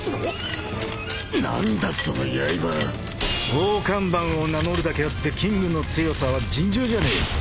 ［大看板を名乗るだけあってキングの強さは尋常じゃねえ］